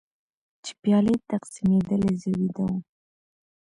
چې پیالې تقسیمېدلې زه ویده وم.